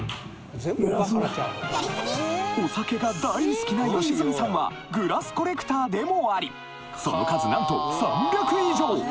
お酒が大好きな良純さんはグラスコレクターでもありその数なんと３００以上！